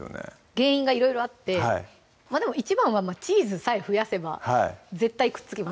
原因がいろいろあってでも一番はチーズさえ増やせば絶対くっつきます